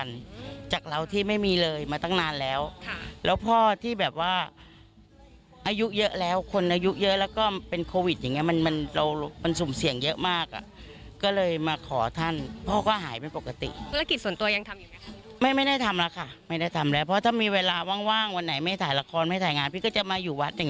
ไม่ได้ทำหรอกค่ะไม่ได้ทำแล้วเพราะถ้ามีเวลาว่างว่างวันไหนไม่ถ่ายละครไม่ถ่ายงานพี่ก็จะมาอยู่วัดอย่าง